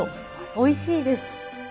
おいしいです。